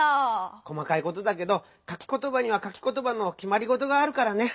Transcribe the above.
こまかいことだけどかきことばにはかきことばのきまりごとがあるからね。